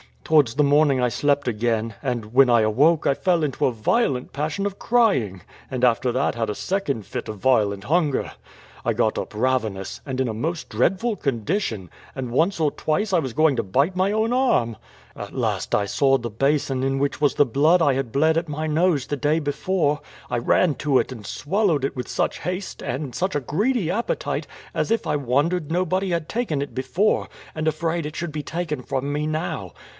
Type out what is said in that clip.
Towards the morning I slept again, and when I awoke I fell into a violent passion of crying, and after that had a second fit of violent hunger. I got up ravenous, and in a most dreadful condition; and once or twice I was going to bite my own arm. At last I saw the basin in which was the blood I had bled at my nose the day before: I ran to it, and swallowed it with such haste, and such a greedy appetite, as if I wondered nobody had taken it before, and afraid it should be taken from me now.